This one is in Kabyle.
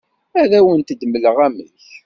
Ad awent-d-mleɣ amek.